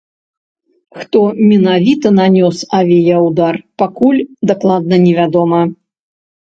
Хто менавіта нанёс авіяўдар, пакуль дакладна не вядома.